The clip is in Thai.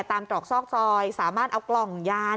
ตรอกซอกซอยสามารถเอากล่องยาน